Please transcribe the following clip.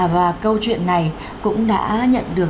và câu chuyện này cũng đã nhận được